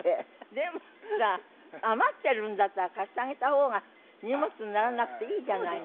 でもさ余ってるんだったら貸してあげた方が荷物にならなくていいじゃないの。